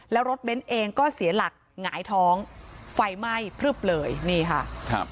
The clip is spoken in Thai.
แล้วรถเบ้นเองก็เสียหลักหงายท้องไฟไหม้พลึบเลยนี่ค่ะครับ